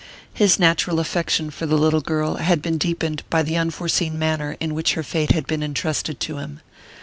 His natural affection for the little girl had been deepened by the unforeseen manner in which her fate had been entrusted to him.